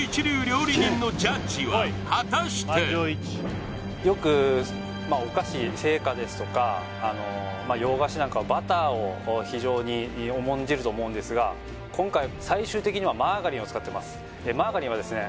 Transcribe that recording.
果たしてよくお菓子製菓ですとか洋菓子なんかバターを非常に重んじると思うんですが今回最終的にはマーガリンを使ってますマーガリンはですね